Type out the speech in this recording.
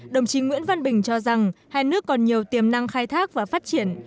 đồng chí nguyễn văn bình cho rằng hai nước còn nhiều tiềm năng khai thác và phát triển